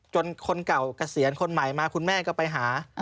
จนคนเก่ากระเซียนคนใหม่มาคุณแม่ก็ไปหา